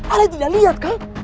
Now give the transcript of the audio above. alai tidak lihat kan